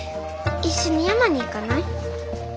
一緒に山に行かない？